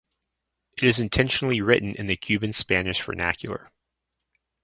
It is intentionally written in the Cuban Spanish vernacular.